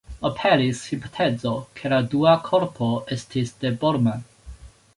Aperis hipotezo, ke la dua korpo estis de Bormann.